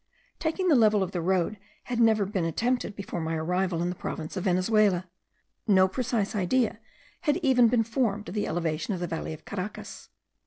Taking the level of the road had never been attempted before my arrival in the province of Venezuela. No precise idea had even been formed of the elevation of the valley of Caracas.